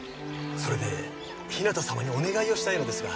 それで日向様にお願いをしたいのですが。